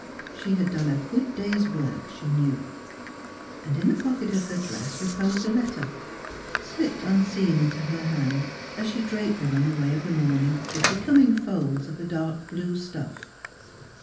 She had done a good day's work, she knew; and in the pocket of her dress reposed a letter, slipped unseen into her hand as she draped the runaway of the morning with be coming folds of the dark blue stuff.